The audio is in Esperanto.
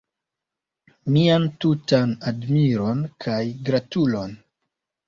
Mian tutan admiron kaj gratulon!